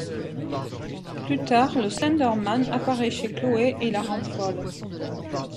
Plus tard, le Slender Man apparaît chez Chloé et la rend folle.